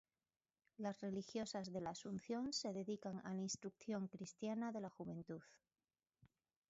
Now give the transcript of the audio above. Las religiosas de la Asunción se dedican a la instrucción cristiana de la juventud.